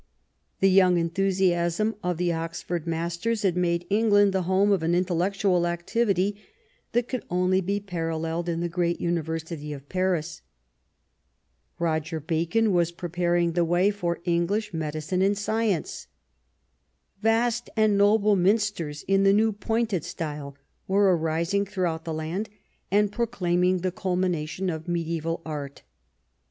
The young enthusiasm of the Oxford masters had made England the home of an intellectual activity that could only be paralleled in the great University of Paris. Roger Bacon was preparing the way for English medicine and science. ' Vast and noble minsters in the new Pointed style were arising throughout the land, and proclaiming the culmination of mediaeval art.